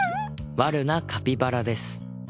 ワルなカピバラです。